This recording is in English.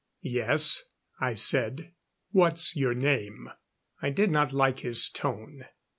"Yes," I said. "What's your name?" I did not like his tone.